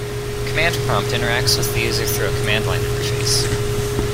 Command Prompt interacts with the user through a command-line interface.